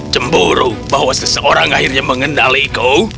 cemburu bahwa seseorang akhirnya mengenaliku